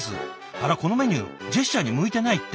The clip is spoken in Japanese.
あらこのメニュージェスチャーに向いてないって。